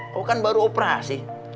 kau kan baru operasi